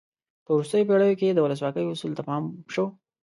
په وروستیو پیړیو کې د ولسواکۍ اصولو ته پام شو.